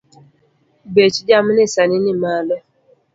Bech jamni sani ni malo